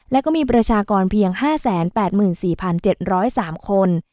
และก็มีประชากรเพียง๕๘๔๗๐๓คน